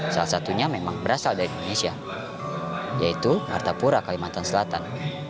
salah satunya memang berasal dari indonesia yaitu martapura kalimantan selatan